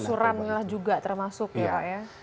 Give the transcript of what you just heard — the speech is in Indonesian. lulusuran juga termasuk ya pak ya